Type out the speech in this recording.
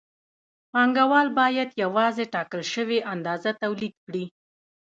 پانګوال باید یوازې ټاکل شوې اندازه تولید کړي